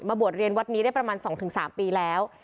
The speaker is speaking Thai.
มาบวชเรียนวัดนี้ได้ประมาณสองถึงสามปีแล้ว